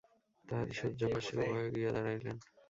তাহারই শয্যাপার্শ্বে উভয়ে গিয়া দাঁড়াইলেন।